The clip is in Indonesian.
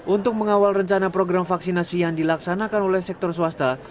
untuk mengawal rencana program vaksinasi yang dilaksanakan oleh sektor swasta